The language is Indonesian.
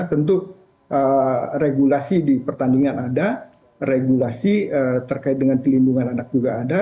tentu regulasi di pertandingan ada regulasi terkait dengan pelindungan anak juga ada